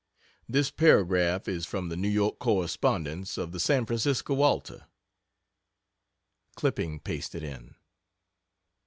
This paragraph is from the New York correspondence of the San Francisco Alta: (Clipping pasted in.)